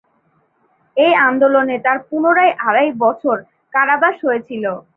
এই আন্দোলনে তার পূনরায় আড়াই বছর কারাবাস হয়েছিল।